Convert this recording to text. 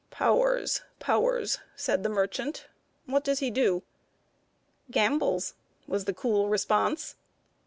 "Powers Powers," said the merchant; "what does he do?" "Gambles," was the cool response.